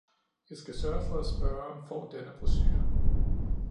Jeg skal sørge for, at spørgeren får denne brochure.